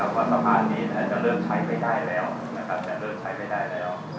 ว่าสะพานนี้จะเริ่มใช้ไปได้แล้ว